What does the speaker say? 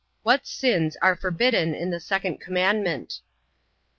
What sins are forbidden in the second commandment?